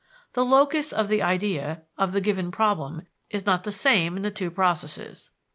The locus of the idea, of the given problem, is not the same in the two processes.